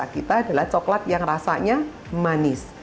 kita adalah coklat yang rasanya manis